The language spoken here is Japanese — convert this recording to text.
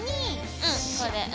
うんこれ。